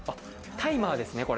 タイマーですね、これ。